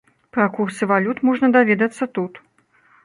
Пра курсы валют можна даведацца тут.